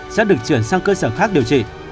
sẽ được chuyển sang cơ sở khác điều trị